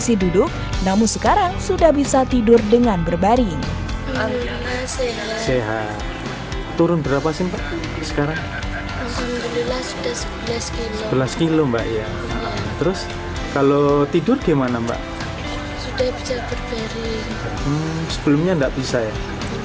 sebelumnya sylvia tidak berada di posisi duduk namun sekarang sudah bisa tidur dengan berbaring